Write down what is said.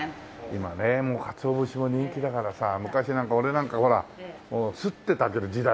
今ねかつお節も人気だからさ昔なんか俺なんかほらすって食べる時代。